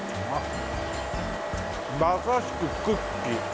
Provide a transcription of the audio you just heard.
まさしくクッキー。